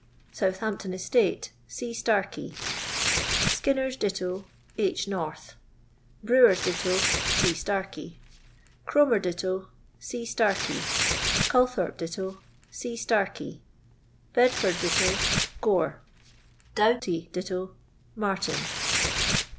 Southampton estate C. Starkey. • Skinner's ditto H. North. Brewer's ditto C. Starkey. Cromerditto Ditto. Calthorpe ditto Ditto. Bedfordditto Gore. Doughty ditto Martin.